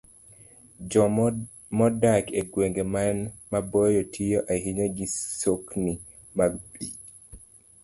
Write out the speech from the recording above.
Ji modak e gwenge man maboyo tiyo ahinya gi sokni mag pi.